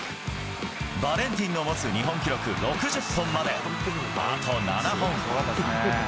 バレンティンの持つ日本記録６０本まであと７本。